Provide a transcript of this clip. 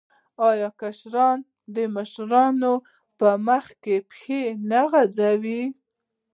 آیا کشران د مشرانو په مخ کې پښې نه اوږدوي؟